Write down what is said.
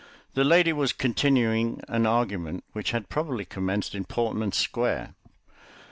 The lady was continuing an argument which had probably commenced in Portman Square.